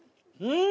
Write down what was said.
うん！